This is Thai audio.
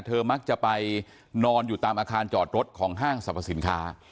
มักจะไปนอนอยู่ตามอาคารจอดรถของห้างสรรพสินค้า